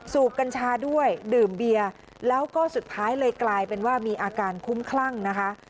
กัญชาด้วยดื่มเบียร์แล้วก็สุดท้ายเลยกลายเป็นว่ามีอาการคุ้มคลั่งนะคะ